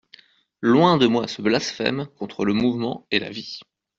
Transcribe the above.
Loin de moi ce blasphème contre le mouvement et la vie.